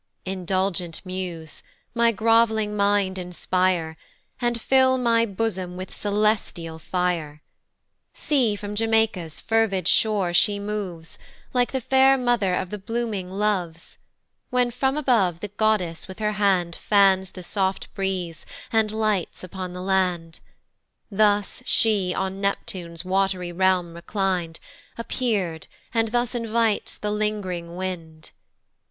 INDULGENT muse! my grov'ling mind inspire, And fill my bosom with celestial fire. See from Jamaica's fervid shore she moves, Like the fair mother of the blooming loves, When from above the Goddess with her hand Fans the soft breeze, and lights upon the land; Thus she on Neptune's wat'ry realm reclin'd Appear'd, and thus invites the ling'ring wind.